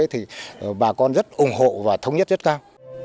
thì bà con rất ủng hộ và thống nhất rất cao